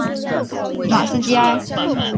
马斯基埃。